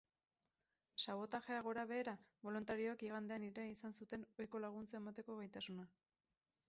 Sabotajea gorabehera, boluntarioek igandean ere izan zuten ohiko laguntza emateko gaitasuna.